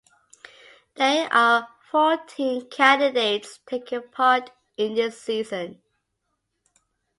There are fourteen candidates taking part in this season.